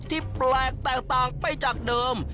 ที่แปลกแตกต่างไปจากเดิม